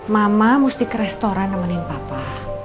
mama mesti ke restoran nemenin papa